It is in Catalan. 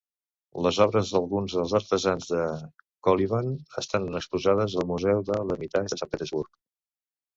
Les obres d'alguns dels artesans de Kolyvan estan exposades al Museu de l'Hermitage de Sant Petersburg.